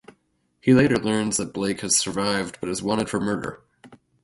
He later learns that Blake has survived but is wanted for murder.